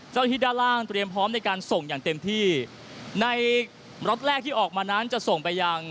ที่ด้านล่างเตรียมพร้อมในการส่งอย่างเต็มที่ในล็อตแรกที่ออกมานั้นจะส่งไปยัง